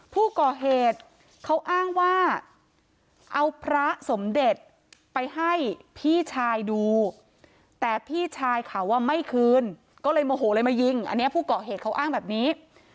พี่ชายข่าวว่าไม่คืนก็เลยโมโหเลยมายิงอันเนี้ยผู้เกาะเหตุเขาอ้างแบบนี้